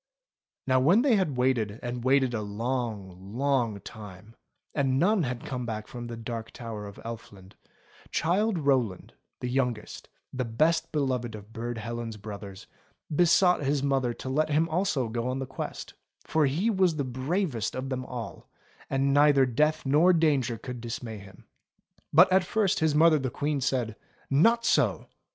Now when they had waited and waited a long, long time, and none had come back from the Dark Tower of Elfland, Childe Rowland, the youngest, the best beloved of Burd Helen's brothers, besought his mother to let him also go on the quest ; for he was the bravest of them all, and neither death nor danger could dismay him. But at first his mother the Queen said : "Not so!